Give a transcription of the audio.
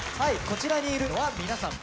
こちらにいるのは皆さん